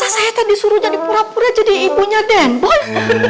masa saya ten disuruh jadi pura pura jadi ibunya den boy